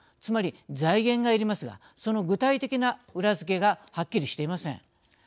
つまり財源がいりますがその具体的な裏付けがはっきりしていません。